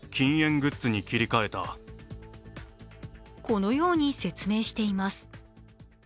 このように説明しています。